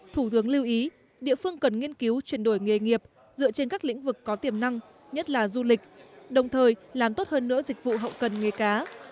thủ tướng lưu ý địa phương cần nghiên cứu chuyển đổi nghề nghiệp dựa trên các lĩnh vực có tiềm năng nhất là du lịch đồng thời làm tốt hơn nữa dịch vụ hậu cần nghề cá